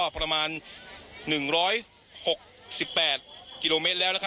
ประมาณ๑๖๘กิโลเมตรแล้ว